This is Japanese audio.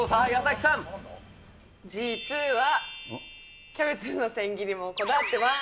じ・つ・は、キャベツの千切りもこだわってまーす。